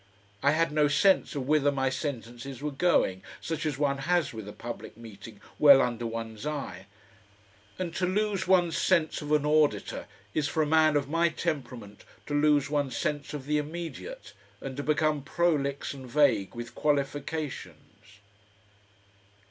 I had no sense of whither my sentences were going, such as one has with a public meeting well under one's eye. And to lose one's sense of an auditor is for a man of my temperament to lose one's sense of the immediate, and to become prolix and vague with qualifications.